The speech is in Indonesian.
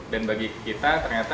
dan bagi kita ternyata